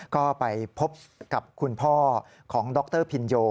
ก็ไปพบกับคุณพ่อของดรพินโย